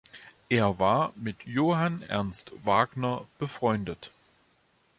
Er war mit Johann Ernst Wagner befreundet.